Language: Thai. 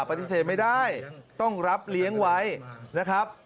ปฏิเสธไม่ได้ต้องรับเลี้ยงไว้นะครับ